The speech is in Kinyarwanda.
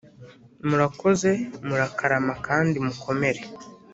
murakoze murakarama kandi mukomere.